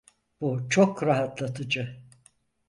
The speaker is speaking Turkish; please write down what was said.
Bu çok rahatlatıcı.